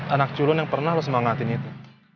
anak curun yang pernah lo semangatin itu